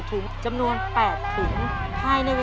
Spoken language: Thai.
ทำได้หรือไม่ได้